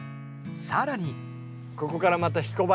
さらに。